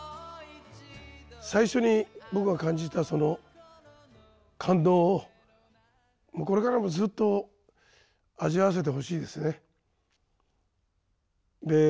最初に僕が感じたその感動をこれからもずっと味わわせてほしいですね。